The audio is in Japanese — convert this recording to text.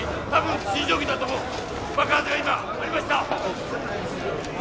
爆発が今起こりました。